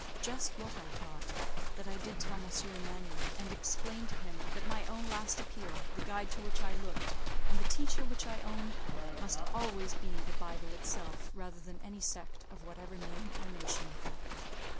Just what I thought, that did I tell M. Emanuel, and explained to him that my own last appeal, the guide to which I looked, and the teacher which I owned, must always be the Bible itself, rather than any sect, of whatever name or nation.